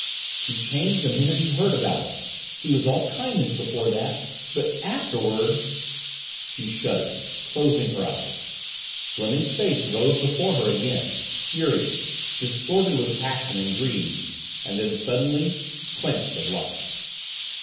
"He changed the minute he heard about it. He was all kindness before that but afterward " She shuddered, closing her eyes. Fleming's face rose before her again, furious, distorted with passion and greed then, suddenly, quenched of life.